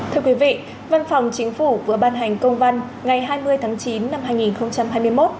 thưa quý vị văn phòng chính phủ vừa ban hành công văn ngày hai mươi tháng chín năm hai nghìn hai mươi một